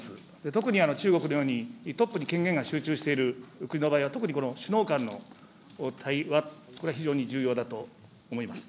特に中国のように、トップに権限が集中している国の場合は、特に首脳間の対話、これは非常に重要だと思います。